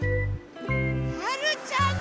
はるちゃんです！